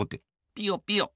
ピヨピヨ。